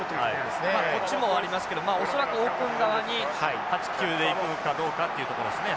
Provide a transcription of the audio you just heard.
まあこっちもありますけど恐らくオープン側に８９でいくかどうかっていうとこですね。